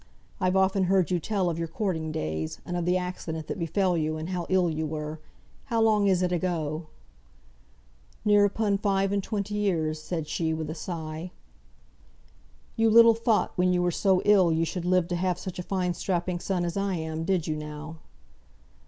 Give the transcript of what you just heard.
I've often heard you tell of your courting days; and of the accident that befell you, and how ill you were. How long is it ago?" "Near upon five and twenty years," said she, with a sigh. "You little thought when you were so ill you should live to have such a fine strapping son as I am, did you now?"